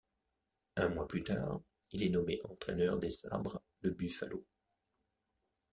Un mois plus tard, il est nommé entraîneur des Sabres de Buffalo.